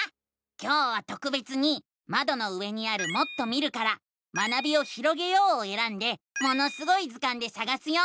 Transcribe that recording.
今日はとくべつにまどの上にある「もっと見る」から「学びをひろげよう」をえらんで「ものすごい図鑑」でさがすよ。